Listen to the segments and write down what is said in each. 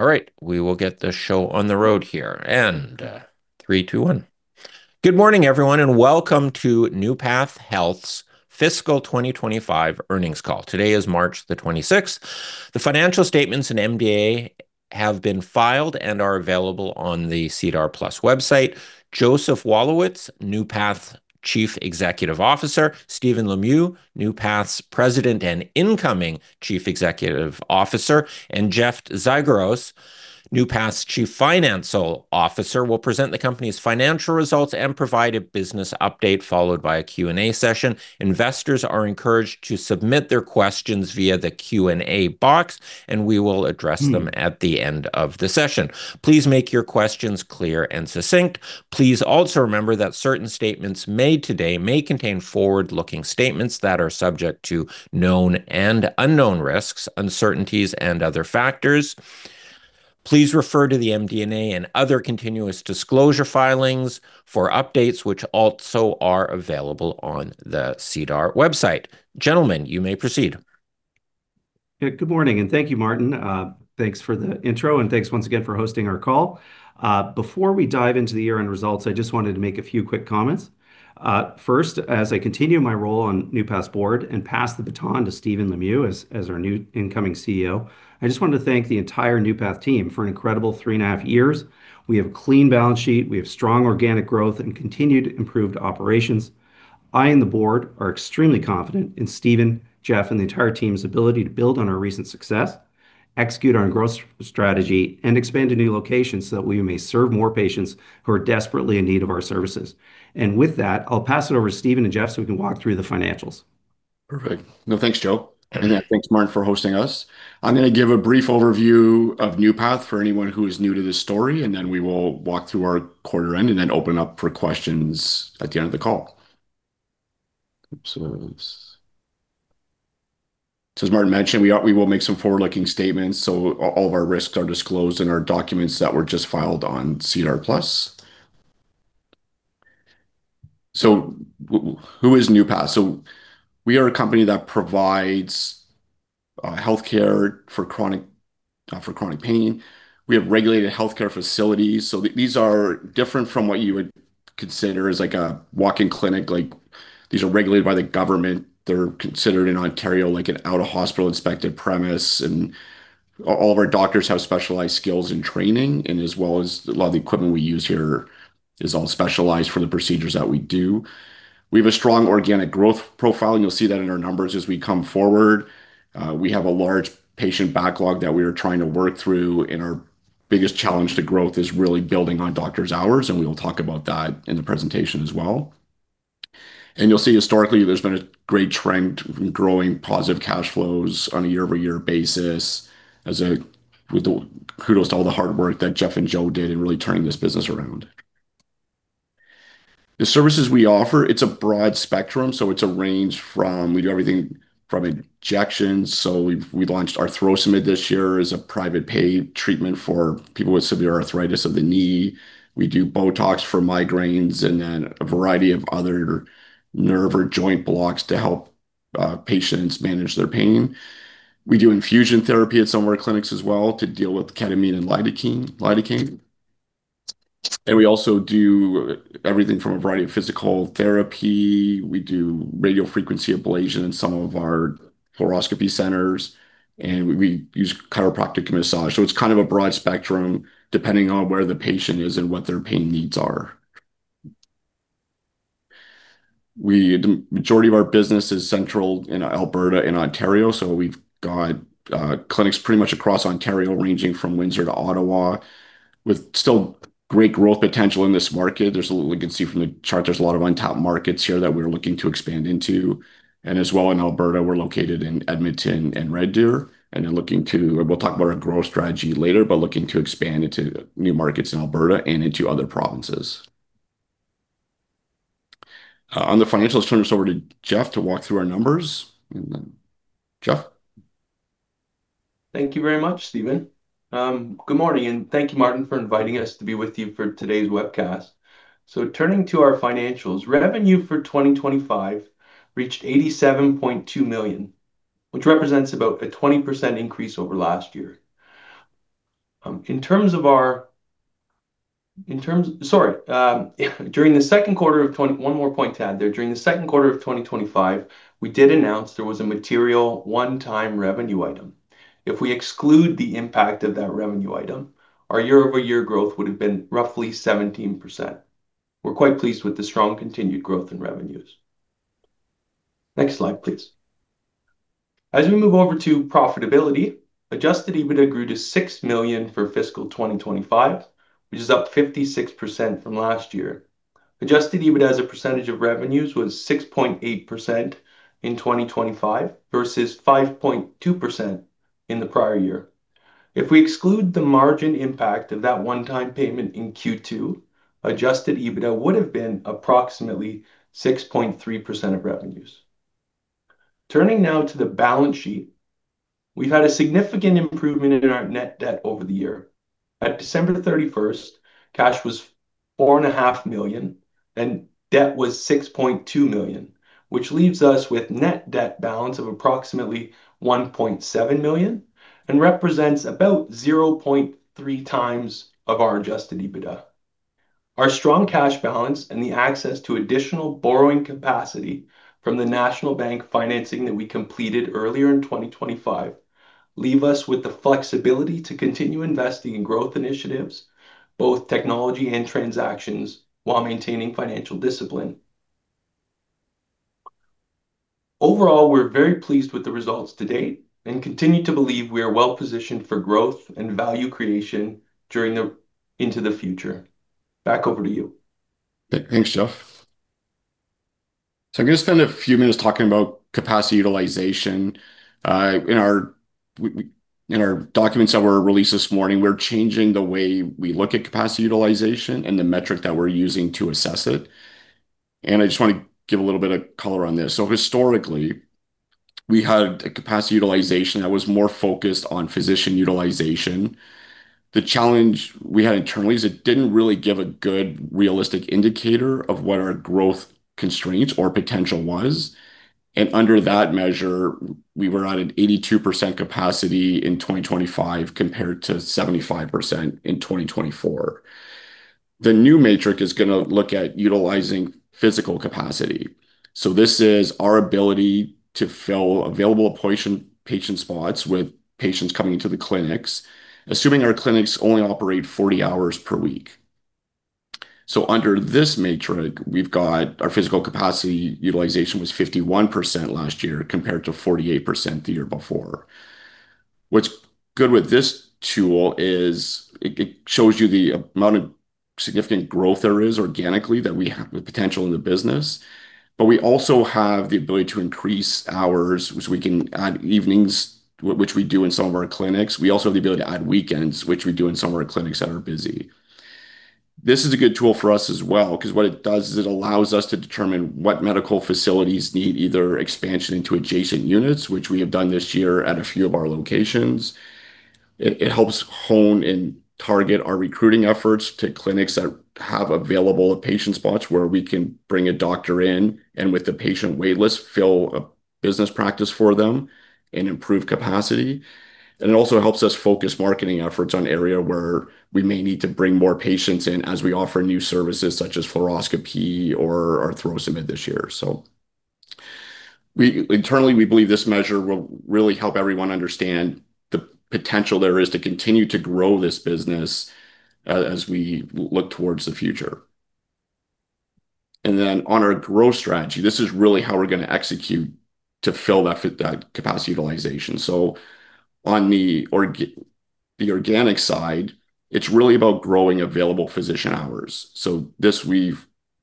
All right, we will get the show on the road here. three, two, one. Good morning, everyone, and welcome to NeuPath Health's fiscal 2025 earnings call. Today is March the twenty-sixth. The financial statements and MD&A have been filed and are available on the SEDAR+ website. Joseph Walewicz, NeuPath's Chief Executive Officer, Stephen Lemieux, NeuPath's President and incoming Chief Executive Officer, and Jeff Zygouras, NeuPath's Chief Financial Officer, will present the company's financial results and provide a business update, followed by a Q&A session. Investors are encouraged to submit their questions via the Q&A box, and we will address them at the end of the session. Please make your questions clear and succinct. Please also remember that certain statements made today may contain forward-looking statements that are subject to known and unknown risks, uncertainties and other factors. Please refer to the MD&A and other continuous disclosure filings for updates which also are available on the SEDAR+ website. Gentlemen, you may proceed. Good morning, and thank you, Martin. Thanks for the intro, and thanks once again for hosting our call. Before we dive into the year-end results, I just wanted to make a few quick comments. First, as I continue my role on NeuPath's board and pass the baton to Stephen Lemieux as our new incoming CEO, I just wanted to thank the entire NeuPath team for an incredible three and a half years. We have a clean balance sheet, we have strong organic growth and continued improved operations. I and the board are extremely confident in Stephen, Jeff, and the entire team's ability to build on our recent success, execute our growth strategy, and expand to new locations so that we may serve more patients who are desperately in need of our services. With that, I'll pass it over to Stephen and Jeff so we can walk through the financials. Perfect. No, thanks, Joe. Yeah, thanks, Martin, for hosting us. I'm gonna give a brief overview of NeuPath for anyone who is new to this story, and then we will walk through our quarter end and then open up for questions at the end of the call. As Martin mentioned, we will make some forward-looking statements, all of our risks are disclosed in our documents that were just filed on SEDAR+. Who is NeuPath? We are a company that provides healthcare for chronic pain. We have regulated healthcare facilities, these are different from what you would consider as like a walk-in clinic. Like, these are regulated by the government. They're considered in Ontario like an Out-of-Hospital Premises, and all of our doctors have specialized skills and training and as well as a lot of the equipment we use here is all specialized for the procedures that we do. We have a strong organic growth profile, and you'll see that in our numbers as we come forward. We have a large patient backlog that we are trying to work through, and our biggest challenge to growth is really building on doctors' hours, and we will talk about that in the presentation as well. You'll see historically there's been a great trend growing positive cash flows on a year-over-year basis with the kudos to all the hard work that Jeff and Joe did in really turning this business around. The services we offer. It's a broad spectrum. We do everything from injections. We've launched Arthrosamid this year as a private pay treatment for people with severe arthritis of the knee. We do Botox for migraines and then a variety of other nerve or joint blocks to help patients manage their pain. We do infusion therapy at some of our clinics as well to deal with ketamine and lidocaine. We also do everything from a variety of physical therapy. We do radiofrequency ablation in some of our fluoroscopy centers, and we use chiropractic massage. It's kind of a broad spectrum depending on where the patient is and what their pain needs are. The majority of our business is central in Alberta and Ontario, so we've got clinics pretty much across Ontario, ranging from Windsor to Ottawa, with still great growth potential in this market. You can see from the chart there's a lot of untapped markets here that we're looking to expand into. As well in Alberta, we're located in Edmonton and Red Deer, and then we'll talk about our growth strategy later, but looking to expand into new markets in Alberta and into other provinces. On the financials, turn this over to Jeff to walk through our numbers. Then, Jeff. Thank you very much, Stephen. Good morning, and thank you, Martin, for inviting us to be with you for today's webcast. Turning to our financials, revenue for 2025 reached 87.2 million, which represents about a 20% increase over last year. One more point to add there. During the second quarter of 2025, we did announce there was a material one-time revenue item. If we exclude the impact of that revenue item, our year-over-year growth would have been roughly 17%. We're quite pleased with the strong continued growth in revenues. Next slide, please. As we move over to profitability, adjusted EBITDA grew to 6 million for fiscal 2025, which is up 56% from last year. Adjusted EBITDA as a percentage of revenues was 6.8% in 2025 versus 5.2% in the prior year. If we exclude the margin impact of that one-time payment in Q2, adjusted EBITDA would have been approximately 6.3% of revenues. Turning now to the balance sheet. We've had a significant improvement in our net debt over the year. At December 31, cash was 4.5 million, and debt was 6.2 million, which leaves us with net debt balance of approximately 1.7 million and represents about 0.3 times of our adjusted EBITDA. Our strong cash balance and the access to additional borrowing capacity from the National Bank financing that we completed earlier in 2025 leave us with the flexibility to continue investing in growth initiatives, both technology and transactions, while maintaining financial discipline. Overall, we're very pleased with the results to date and continue to believe we are well-positioned for growth and value creation into the future. Back over to you. Thanks, Jeff. I'm gonna spend a few minutes talking about capacity utilization. In our documents that were released this morning, we're changing the way we look at capacity utilization and the metric that we're using to assess it. I just wanna give a little bit of color on this. Historically, we had a capacity utilization that was more focused on physician utilization. The challenge we had internally is it didn't really give a good realistic indicator of what our growth constraints or potential was. Under that measure, we were at an 82% capacity in 2025, compared to 75% in 2024. The new metric is gonna look at utilizing physical capacity. This is our ability to fill available patient spots with patients coming into the clinics, assuming our clinics only operate 40 hours per week. Under this metric, we've got our physical capacity utilization was 51% last year compared to 48% the year before. What's good with this tool is it shows you the amount of significant growth there is organically that we have the potential in the business, but we also have the ability to increase hours, which we can add evenings, which we do in some of our clinics. We also have the ability to add weekends, which we do in some of our clinics that are busy. This is a good tool for us as well 'cause what it does is it allows us to determine what medical facilities need either expansion into adjacent units, which we have done this year at a few of our locations. It helps hone and target our recruiting efforts to clinics that have available patient spots where we can bring a doctor in, and with the patient wait list, fill a business practice for them and improve capacity. It also helps us focus marketing efforts on area where we may need to bring more patients in as we offer new services such as fluoroscopy or arthroscopy this year. Internally, we believe this measure will really help everyone understand the potential there is to continue to grow this business as we look towards the future. On our growth strategy, this is really how we're gonna execute to fill that capacity utilization. On the organic side, it's really about growing available physician hours.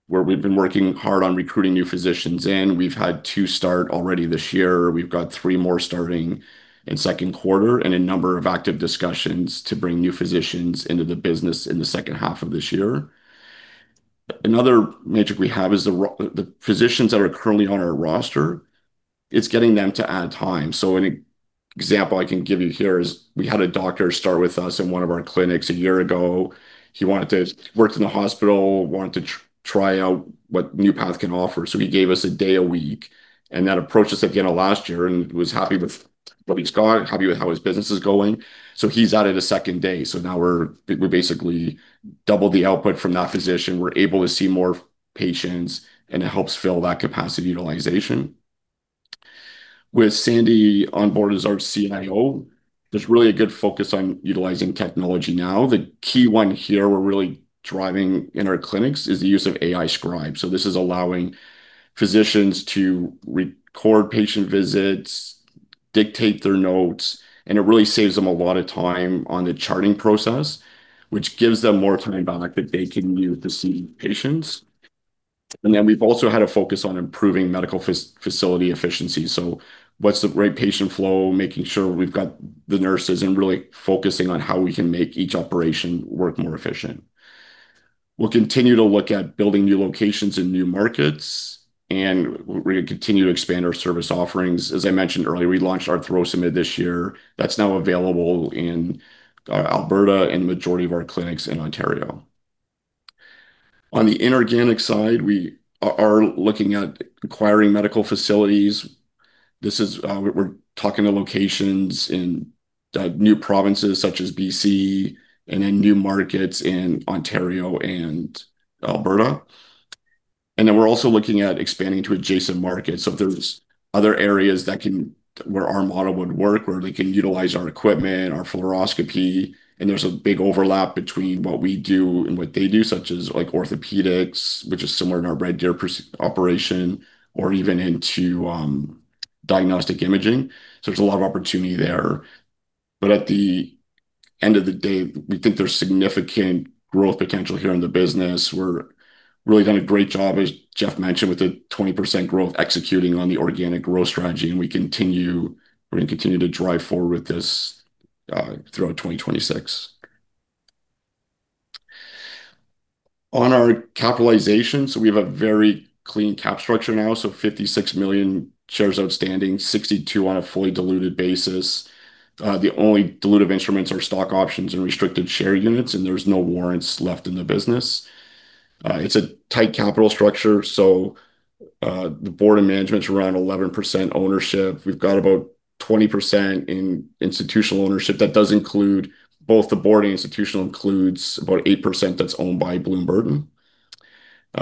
where we've been working hard on recruiting new physicians in, we've had two start already this year. We've got three more starting in second quarter and a number of active discussions to bring new physicians into the business in the second half of this year. Another metric we have is the physicians that are currently on our roster, it's getting them to add time. An example I can give you here is we had a doctor start with us in one of our clinics a year ago. He worked in the hospital, wanted to try out what NeuPath can offer. He gave us a day a week, and then approached us again last year and was happy with what he's got, happy with how his business is going. He's added a second day. Now we're basically double the output from that physician. We're able to see more patients, and it helps fill that capacity utilization. With Sandy on board as our CIO, there's really a good focus on utilizing technology now. The key one here we're really driving in our clinics is the use of AI Scribe. This is allowing physicians to record patient visits, dictate their notes, and it really saves them a lot of time on the charting process, which gives them more time back that they can use to see patients. We've also had a focus on improving medical facility efficiency. What's the right patient flow, making sure we've got the nurses, and really focusing on how we can make each operation work more efficient. We'll continue to look at building new locations in new markets, and we're gonna continue to expand our service offerings. As I mentioned earlier, we launched Arthrosamid this year. That's now available in Alberta and majority of our clinics in Ontario. On the inorganic side, we are looking at acquiring medical facilities. We're talking to locations in new provinces such as BC and in new markets in Ontario and Alberta. We're also looking at expanding to adjacent markets. If there's other areas where our model would work, where they can utilize our equipment, our fluoroscopy, and there's a big overlap between what we do and what they do, such as, like, orthopedics, which is similar to our Red Deer operation or even into diagnostic imaging. There's a lot of opportunity there. At the end of the day, we think there's significant growth potential here in the business. We're really doing a great job, as Jeff mentioned, with the 20% growth executing on the organic growth strategy, and we're gonna continue to drive forward with this throughout 2026. On our capitalization, we have a very clean capital structure now, so 56 million shares outstanding, 62 on a fully diluted basis. The only dilutive instruments are stock options and restricted share units, and there's no warrants left in the business. It's a tight capital structure, so the board and management's around 11% ownership. We've got about 20% in institutional ownership. That does include both the board and institutional includes about 8% that's owned by Bloom Burton.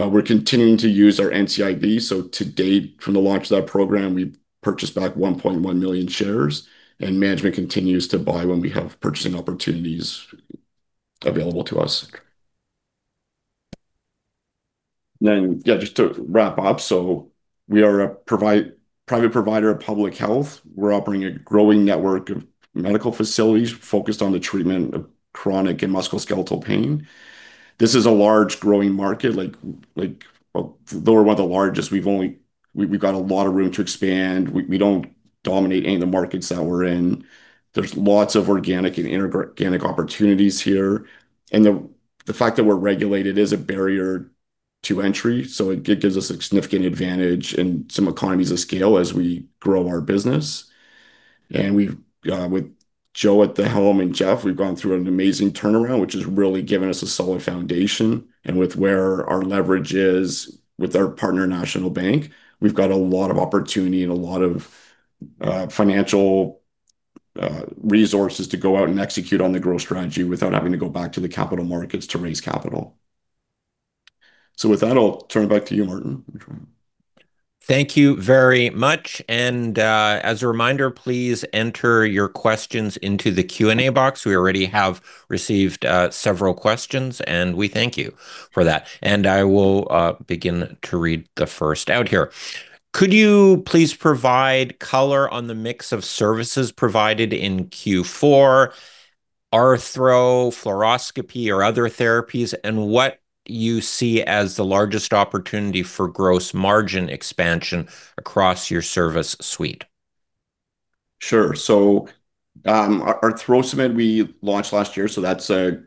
We're continuing to use our NCIB, so to date from the launch of that program, we've purchased back 1.1 million shares, and management continues to buy when we have purchasing opportunities available to us. Yeah, just to wrap up, we are a private provider of public health. We're operating a growing network of medical facilities focused on the treatment of chronic and musculoskeletal pain. This is a large growing market, like, well, though we're one of the largest, we've only got a lot of room to expand. We don't dominate any of the markets that we're in. There's lots of organic and inorganic opportunities here, and the fact that we're regulated is a barrier to entry, so it gives us a significant advantage and some economies of scale as we grow our business. We've with Joe at the helm and Jeff, we've gone through an amazing turnaround, which has really given us a solid foundation. With where our leverage is with our partner, National Bank, we've got a lot of opportunity and a lot of financial resources to go out and execute on the growth strategy without having to go back to the capital markets to raise capital. With that, I'll turn it back to you, Martin. Thank you very much. As a reminder, please enter your questions into the Q&A box. We already have received several questions, and we thank you for that. I will begin to read the first out here. Could you please provide color on the mix of services provided in Q4, arthro, fluoroscopy or other therapies, and what you see as the largest opportunity for gross margin expansion across your service suite? Sure. Our Arthrosamid we launched last year, so that's a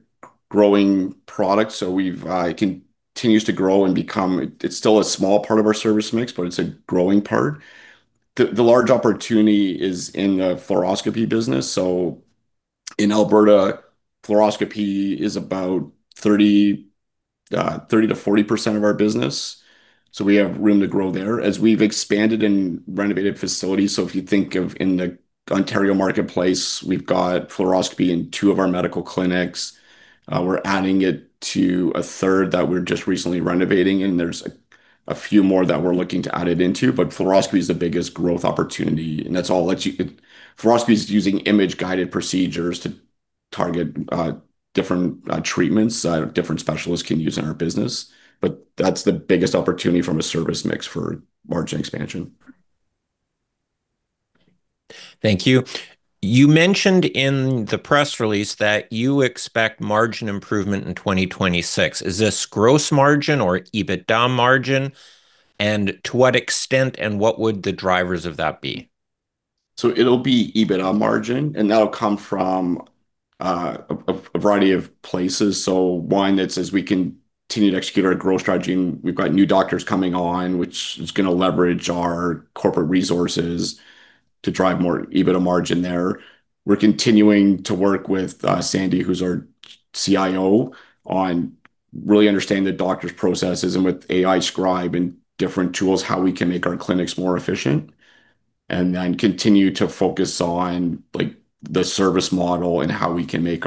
growing product. It continues to grow. It's still a small part of our service mix, but it's a growing part. The large opportunity is in the fluoroscopy business. In Alberta, fluoroscopy is about 30%-40% of our business, so we have room to grow there. As we've expanded and renovated facilities, if you think of the Ontario marketplace, we've got fluoroscopy in two of our medical clinics. We're adding it to a third that we're just recently renovating, and there's a few more that we're looking to add it into, but fluoroscopy is the biggest growth opportunity. Fluoroscopy is using image-guided procedures to target different treatments that different specialists can use in our business. that's the biggest opportunity from a service mix for margin expansion. Thank you. You mentioned in the press release that you expect margin improvement in 2026. Is this gross margin or EBITDA margin? To what extent and what would the drivers of that be? It'll be EBITDA margin, and that'll come from a variety of places. One, that's as we continue to execute our growth strategy, and we've got new doctors coming on, which is gonna leverage our corporate resources to drive more EBITDA margin there. We're continuing to work with Sandy, who's our CIO, on really understanding the doctor's processes and with AI Scribe and different tools, how we can make our clinics more efficient. Then continue to focus on, like, the service model and how we can make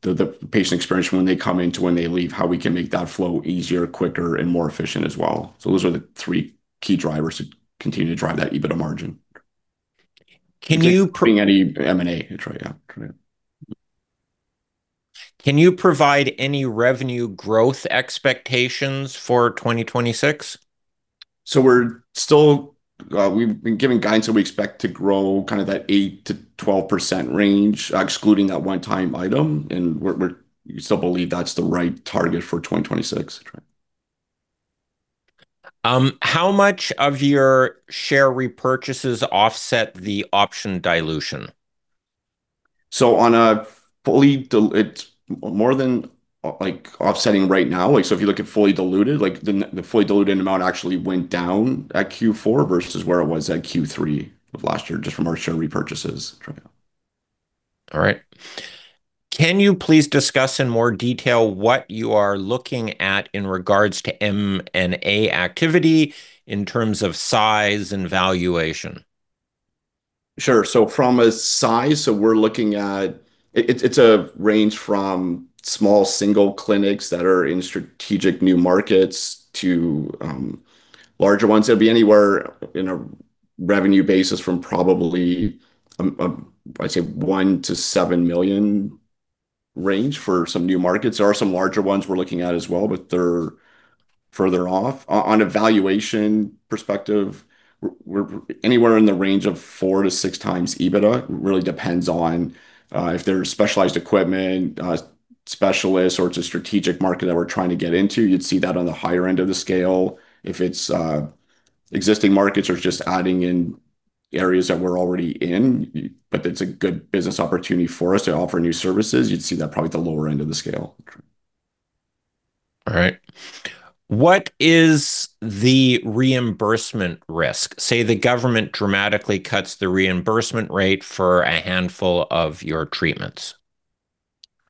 the patient experience when they come in to when they leave, how we can make that flow easier, quicker, and more efficient as well. Those are the three key drivers to continue to drive that EBITDA margin. Can you pro- Bring any M&A. That's right. Yeah. That's right. Can you provide any revenue growth expectations for 2026? We've been giving guidance that we expect to grow kind of that 8%-12% range, excluding that one-time item, and we still believe that's the right target for 2026. That's right. How much of your share repurchases offset the option dilution? It's more than like offsetting right now. Like, if you look at fully diluted, like the fully diluted amount actually went down at Q4 versus where it was at Q3 of last year just from our share repurchases. That's right. All right. Can you please discuss in more detail what you are looking at in regards to M&A activity in terms of size and valuation? Sure. From a size, we're looking at. It's a range from small single clinics that are in strategic new markets to larger ones. It'll be anywhere in a revenue basis from probably I'd say 1 million-7 million range for some new markets. There are some larger ones we're looking at as well, but they're further off. On a valuation perspective, we're anywhere in the range of four to six times EBITDA. Really depends on if there's specialized equipment, specialists, or it's a strategic market that we're trying to get into. You'd see that on the higher end of the scale. If it's existing markets or just adding in areas that we're already in, but it's a good business opportunity for us to offer new services, you'd see that probably at the lower end of the scale. That's right. All right. What is the reimbursement risk? Say, the government dramatically cuts the reimbursement rate for a handful of your treatments.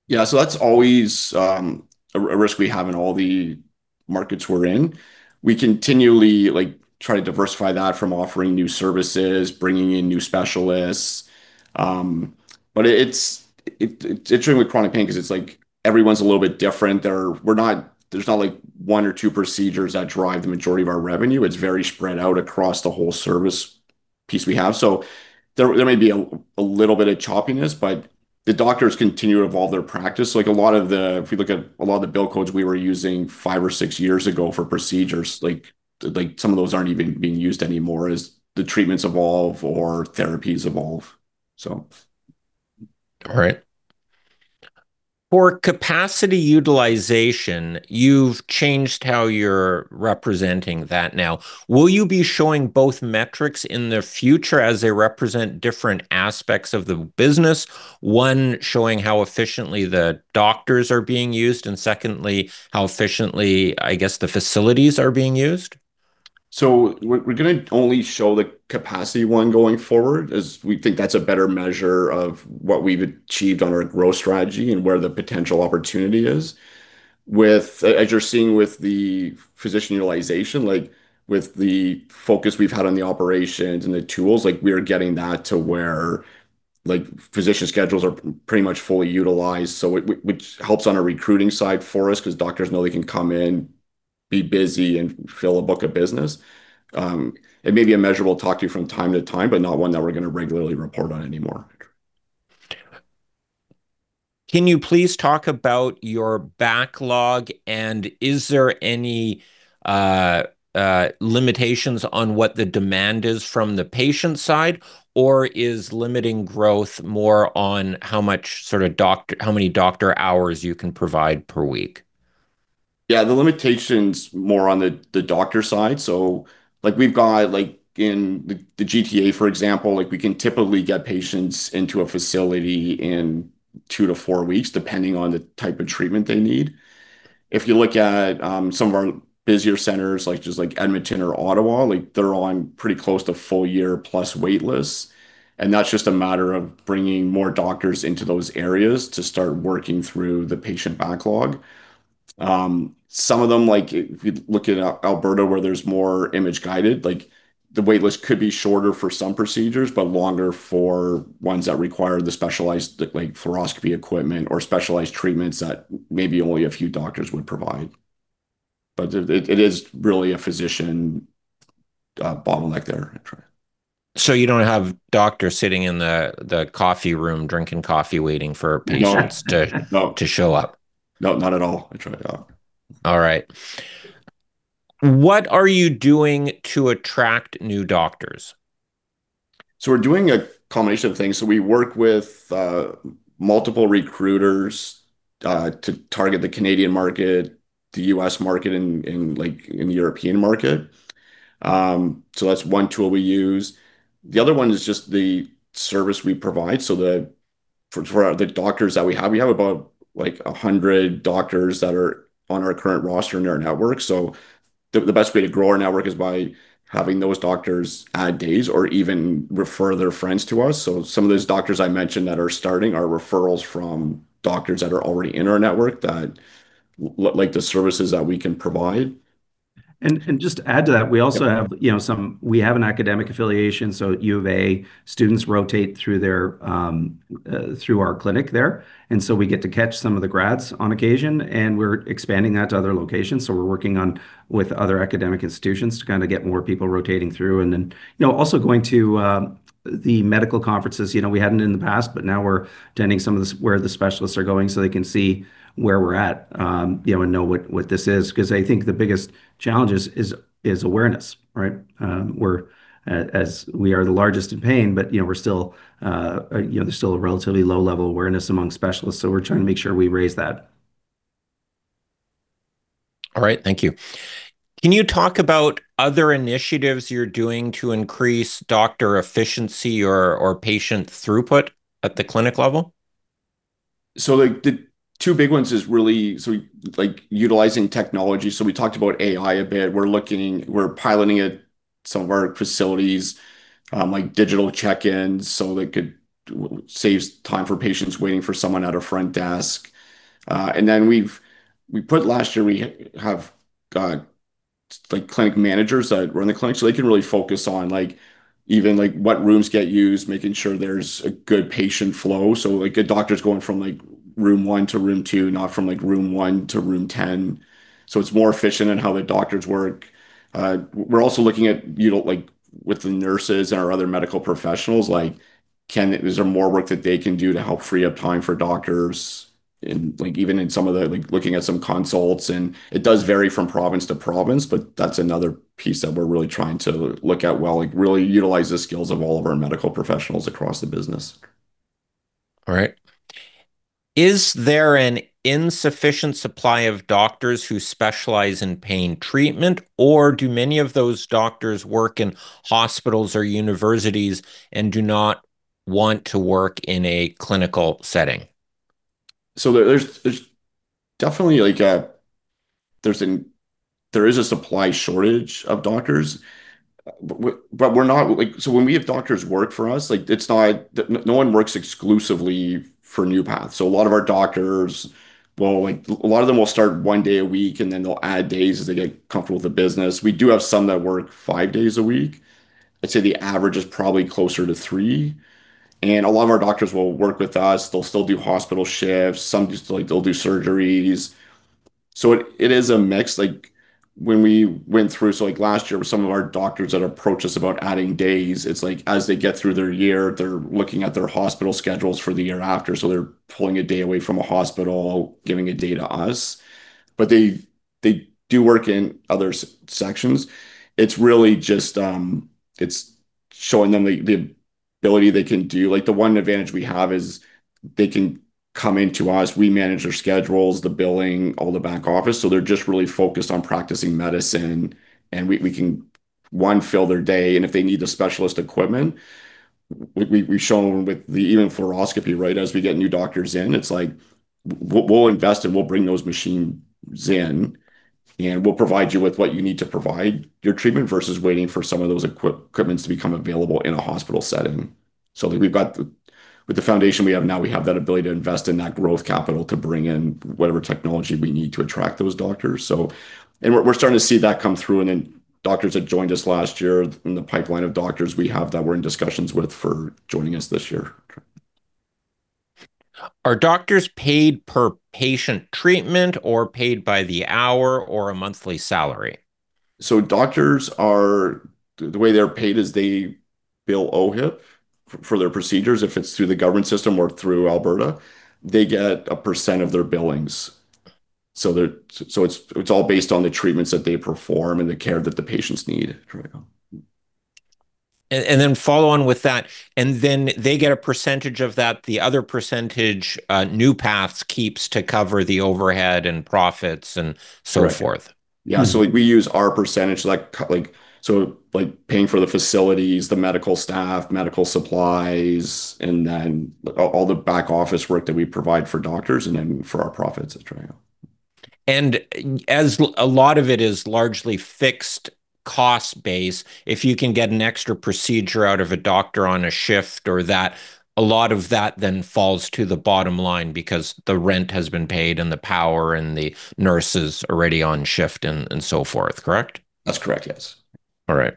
That's always a risk we have in all the markets we're in. We continually, like, try to diversify that from offering new services, bringing in new specialists. It's different with chronic pain 'cause it's like everyone's a little bit different. There's not like one or two procedures that drive the majority of our revenue. It's very spread out across the whole service piece we have. There may be a little bit of choppiness, but the doctors continue to evolve their practice. Like, if you look at a lot of the bill codes we were using five or six years ago for procedures, like some of those aren't even being used anymore as the treatments evolve or therapies evolve. All right. For capacity utilization, you've changed how you're representing that now. Will you be showing both metrics in the future as they represent different aspects of the business, one showing how efficiently the doctors are being used, and secondly, how efficiently, I guess, the facilities are being used? We're gonna only show the capacity one going forward, as we think that's a better measure of what we've achieved on our growth strategy and where the potential opportunity is. As you're seeing with the physician utilization, like with the focus we've had on the operations and the tools, like we are getting that to where like physician schedules are pretty much fully utilized, so which helps on our recruiting side for us 'cause doctors know they can come in, be busy, and fill a book of business. It may be a measure we'll talk to you from time to time, but not one that we're gonna regularly report on anymore. Can you please talk about your backlog, and is there any limitations on what the demand is from the patient side, or is limiting growth more on how many doctor hours you can provide per week? Yeah, the limitation's more on the doctor side. Like we've got like in the GTA, for example, like we can typically get patients into a facility in two to four weeks, depending on the type of treatment they need. If you look at some of our busier centers, like just like Edmonton or Ottawa, like they're on pretty close to full year plus wait lists, and that's just a matter of bringing more doctors into those areas to start working through the patient backlog. Some of them, like if you look at Alberta, where there's more image-guided, like the wait list could be shorter for some procedures, but longer for ones that require the specialized, like fluoroscopy equipment or specialized treatments that maybe only a few doctors would provide. It is really a physician bottleneck there. you don't have doctors sitting in the coffee room drinking coffee, waiting for patients. No. to show up? No, not at all. I try it out. All right. What are you doing to attract new doctors? We're doing a combination of things. We work with multiple recruiters to target the Canadian market, the U.S. market and like the European market. That's one tool we use. The other one is just the service we provide. For the doctors that we have, we have about like 100 doctors that are on our current roster in our network. The best way to grow our network is by having those doctors add days or even refer their friends to us. Some of those doctors I mentioned that are starting are referrals from doctors that are already in our network that like the services that we can provide. Just to add to that, we also have an academic affiliation, so University of Alberta students rotate through our clinic there. We get to catch some of the grads on occasion, and we're expanding that to other locations, so we're working with other academic institutions to kinda get more people rotating through. You know, we're also going to the medical conferences. You know, we hadn't in the past, but now we're attending some of the sessions where the specialists are going so they can see where we're at, you know, and know what this is. 'Cause I think the biggest challenge is awareness, right? We are the largest in pain, but you know, we're still, you know, there's still a relatively low-level awareness among specialists, so we're trying to make sure we raise that. All right. Thank you. Can you talk about other initiatives you're doing to increase doctor efficiency or patient throughput at the clinic level? Like the two big ones is really utilizing technology. We talked about AI a bit. We're piloting it in some of our facilities, like digital check-ins, so they could saves time for patients waiting for someone at a front desk. And then we've put last year, we have like clinic managers that run the clinic, so they can really focus on like even like what rooms get used, making sure there's a good patient flow. Like a doctor's going from like room one to room two, not from like room one to room ten. It's more efficient in how the doctors work. We're also looking at like with the nurses and our other medical professionals, like is there more work that they can do to help free up time for doctors in like even in some of the, like looking at some consults. It does vary from province to province, but that's another piece that we're really trying to look at, while like really utilize the skills of all of our medical professionals across the business. All right. Is there an insufficient supply of doctors who specialize in pain treatment, or do many of those doctors work in hospitals or universities and do not want to work in a clinical setting? There's definitely a supply shortage of doctors. Like, when we have doctors work for us, no one works exclusively for NeuPath. A lot of our doctors will start one day a week, and then they'll add days as they get comfortable with the business. We do have some that work five days a week. I'd say the average is probably closer to three. A lot of our doctors will work with us. They'll still do hospital shifts. Some just like they'll do surgeries. It is a mix. Like, when we went through. Like last year with some of our doctors that approached us about adding days, it's like as they get through their year, they're looking at their hospital schedules for the year after. They're pulling a day away from a hospital, giving a day to us. But they do work in other s-sections. It's really just, it's showing them the ability they can do. Like the one advantage we have is they can come into us, we manage their schedules, the billing, all the back office, so they're just really focused on practicing medicine, and we can, one, fill their day, and if they need the specialist equipment, we've shown with the even fluoroscopy, right? As we get new doctors in, it's like we'll invest and we'll bring those machines in and we'll provide you with what you need to provide your treatment versus waiting for some of those equipment to become available in a hospital setting. We've got, with the foundation we have now, that ability to invest in that growth capital to bring in whatever technology we need to attract those doctors. We're starting to see that come through and then doctors that joined us last year in the pipeline of doctors we have that we're in discussions with for joining us this year. Are doctors paid per patient treatment or paid by the hour or a monthly salary? The way they're paid is they bill OHIP for their procedures. If it's through the government system or through Alberta, they get a percent of their billings. It's all based on the treatments that they perform and the care that the patients need. then follow on with that. They get a percentage of that. The other percentage, NeuPath keeps to cover the overhead and profits and so forth. Yeah. We use our percentage like paying for the facilities, the medical staff, medical supplies, and then all the back office work that we provide for doctors and then for our profits at NeuPath. As a lot of it is largely fixed cost base. If you can get an extra procedure out of a doctor on a shift or that, a lot of that then falls to the bottom line because the rent has been paid and the power and the nurse is already on shift and so forth, correct? That's correct, yes. All right.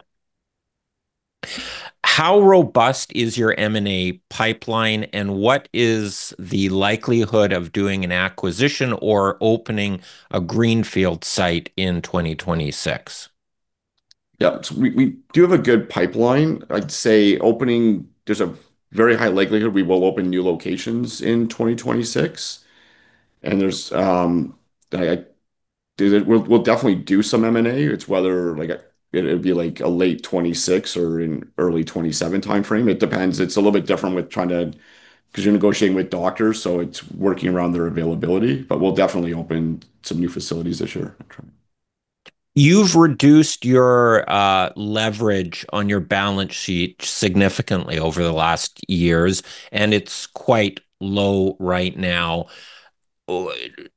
How robust is your M&A pipeline, and what is the likelihood of doing an acquisition or opening a greenfield site in 2026? Yeah. We do have a good pipeline. I'd say there's a very high likelihood we will open new locations in 2026. We'll definitely do some M&A. It's whether like it'd be like a late 2026 or in early 2027 timeframe. It depends. It's a little bit different with trying to 'cause you're negotiating with doctors, so it's working around their availability. We'll definitely open some new facilities this year. You've reduced your leverage on your balance sheet significantly over the last years, and it's quite low right now.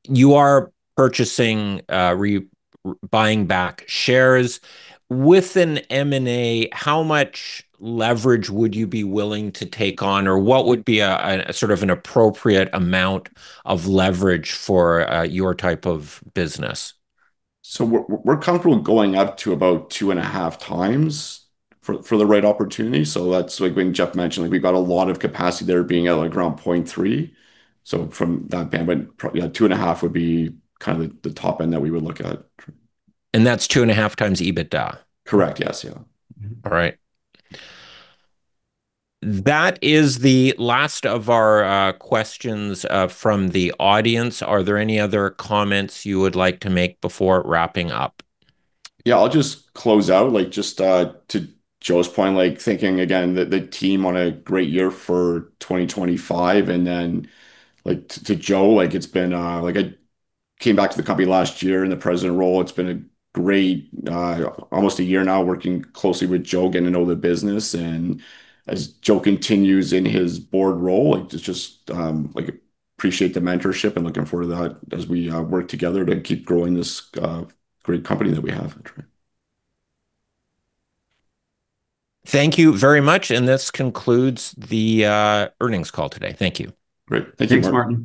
You are buying back shares. With an M&A, how much leverage would you be willing to take on or what would be a sort of an appropriate amount of leverage for your type of business? We're comfortable going up to about 2.5 times for the right opportunity. That's like when Jeff mentioned, like we've got a lot of capacity there being at like around 0.3. From that bandwidth, 2.5 would be kind of the top end that we would look at. That's 2.5x EBITDA? Correct. Yes. Yeah. Mm-hmm. All right. That is the last of our questions from the audience. Are there any other comments you would like to make before wrapping up? Yeah, I'll just close out. Like, just to Joe's point, like thanking again the team on a great year for 2025 and then, like, to Joe, like it's been like I came back to the company last year in the president role. It's been a great almost a year now working closely with Joe, getting to know the business. As Joe continues in his board role, like just appreciate the mentorship and looking forward to that as we work together to keep growing this great company that we have at NeuPath. Thank you very much. This concludes the earnings call today. Thank you. Great. Thank you. Thanks, Martin.